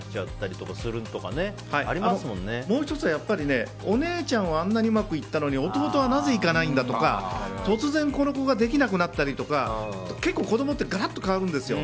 みたいにもう１つは、お姉ちゃんはあんなにうまくいったのに弟はなぜいかないんだとか突然、この子ができなくなったりとか結構子供ってガラッと変わるんですよ。